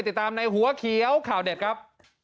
ติดตามในหัวเขียวข่าวเด็ดครับ